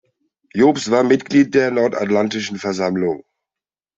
Jobst war Mitglied der Nordatlantischen Versammlung.